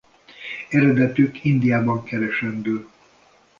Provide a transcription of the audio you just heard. Eredetük Indiában keresendő.